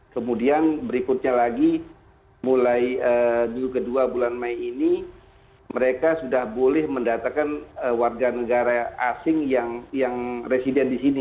kemudian berikutnya lagi mulai minggu kedua bulan mei ini mereka sudah boleh mendatakan warga negara asing yang resident di sini